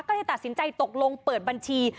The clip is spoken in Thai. ก็เลยตัดสินใจตกลงเปิดบัญชี